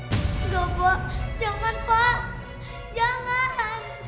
enggak pak jangan pak jangan jangan